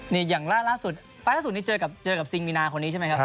นี่อย่างล่าสุดไฟล์ล่าสุดนี้เจอกับซิงมีนาคนนี้ใช่ไหมครับ